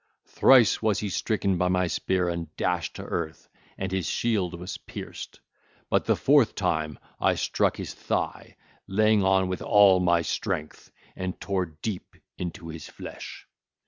Thrice was he stricken by my spear and dashed to earth, and his shield was pierced; but the fourth time I struck his thigh, laying on with all my strength, and tare deep into his flesh.